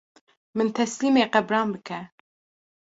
Min teslîmê qebran bike